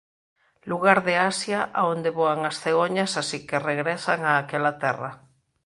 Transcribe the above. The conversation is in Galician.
Lugar de Asia a onde voan as cegoñas así que regresan a aquela terra.